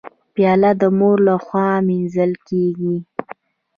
پیاله د مور لخوا مینځل کېږي.